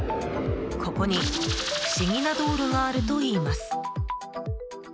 ここに不思議な道路があるといいます。